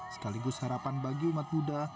sekaligus harapan bagi umat buddha